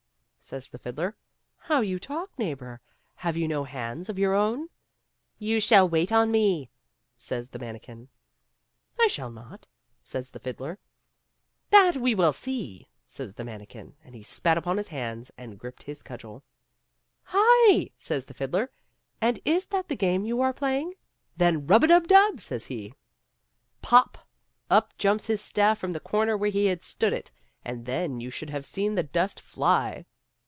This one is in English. says the fiddler, " how you talk, neighbor; have you no hands of your own ?"" You shall wait on me," says the manikin. " I shall not," says the fiddler. " That we will see," says the manikin, and he spat upon his hands and gripped his cudgel. " Hi !" says the fiddler, " and is that the game you are playing ? Then, rub a dub dub!" says he. ^eJF(btiIerstbe!S%too3.b 9 26o THE STAFF AND THE FIDDLE. Pop !— up jumps his staff from the comer where he had stood it, and then you should have seen the dust fly